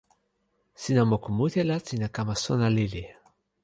sina moku mute la sina kama sona lili.